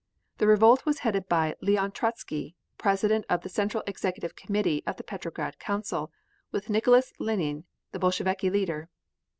The revolt was headed by Leon Trotzky, President of the Central Executive Committee of the Petrograd Council, with Nicholas Lenine, the Bolsheviki leader.